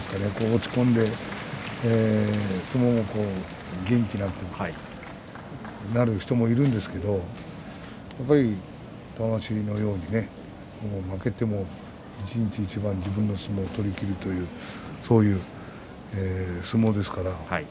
落ち込んで相撲が元気なくなる人もいるんですけれどもやっぱり玉鷲のように負けても一日一番自分の相撲を取りきるそういう相撲ですから。